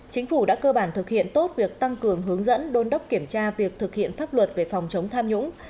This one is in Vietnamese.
chính phủ đã cơ bản thực hiện tốt việc tăng cường hướng dẫn đôn đốc kiểm tra việc thực hiện pháp luật về phòng chống tham nhũng